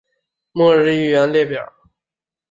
末日预言列表